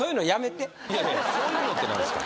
いやいやそういうのってなんですか？